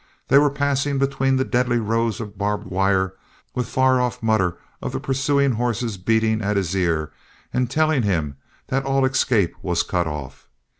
They were passing between the deadly rows of barbed wire with far off mutter of the pursuing horses beating at his ear and telling him that all escape was cut off.